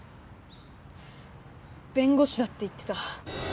弁護士だって言ってた。